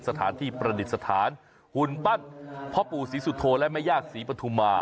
สถานที่ประดิษฐานหุ่นปั้นพ่อปู่ศรีสุโธและแม่ญาติศรีปฐุมา